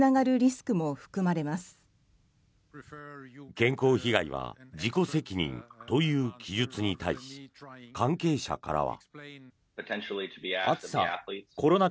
健康被害は自己責任という記述に対し関係者からは。